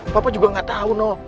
papa juga gak tau loh